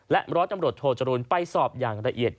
ร้อยตำรวจโทจรูลไปสอบอย่างละเอียด